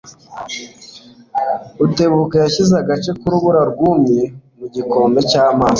Rutebuka yashyize agace k'urubura rwumye mu gikombe cy'amazi.